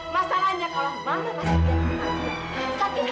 masalahnya kalau mama masih di rumah